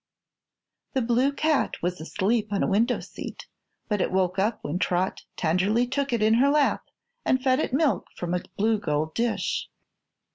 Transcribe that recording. The blue cat was asleep on a window seat, but it woke up when Trot tenderly took it in her lap and fed it milk from a blue gold dish.